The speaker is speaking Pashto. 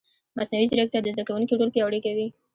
مصنوعي ځیرکتیا د زده کوونکي رول پیاوړی کوي.